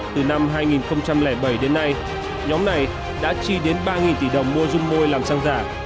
từ năm hai nghìn bảy đến nay nhóm này đã chi đến ba tỷ đồng mua dung môi làm xăng giả